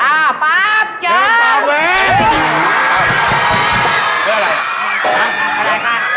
อ่าปั๊บจับ